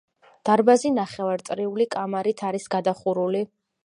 დარბაზი ნახევარწრიული კამარით არის გადახურული.